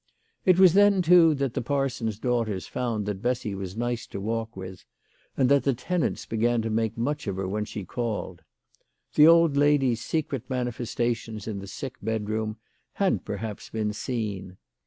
It was then, too, that the parson's daughters found that Bessy was nice to walk with, and that the tenants began to make much of her when she called. The old lady's secret manifestations in the sick bedroom had, perhaps, been seen.